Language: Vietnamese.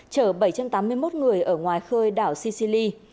chở bảy trăm tám mươi một người ở ngoài khơi đảo sicili